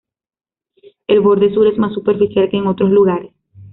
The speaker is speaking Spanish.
El borde sur es más superficial que en otros lugares.